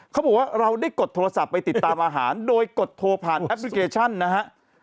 เขาบอกว่าเราได้กดโทรศัพท์ไปติดตามอาหารโดยกดโทรผ่านแอปพลิเคชันนะฮะ